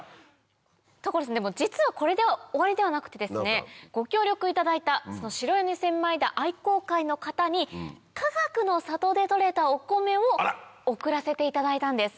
所さんでも実はこれで終わりではなくてですねご協力いただいた白米千枚田愛耕会の方にかがくの里で取れたお米を送らせていただいたんです。